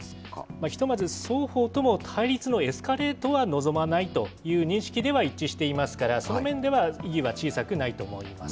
ひとまず双方とも、対立のエスカレートは望まないという認識では一致していますから、その面では意義は小さくないと思います。